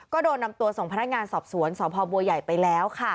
ก็โดนนำตัวส่งพนักงานสอบสวนสพบัวใหญ่ไปแล้ว